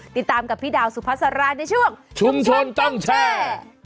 ติดตามกับพี่ดาวสุภาษาในช่วงชุมชนต้องแช่